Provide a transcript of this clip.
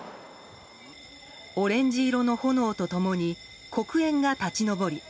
オレンジ色の炎と共に黒煙が立ち上り